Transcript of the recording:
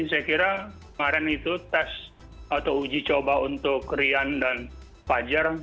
saya kira kemarin itu tes atau uji coba untuk rian dan fajar